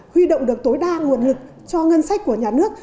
huy động được tối đa nguồn lực cho ngân sách của nhà nước